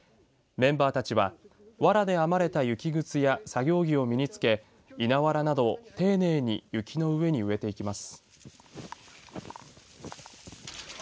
メンバーたちはわらで編まれた雪ぐつや作業着を身に着け稲わらなどを丁寧に雪の上に置いていきます。